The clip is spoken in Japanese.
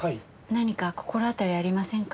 何か心当たりありませんか？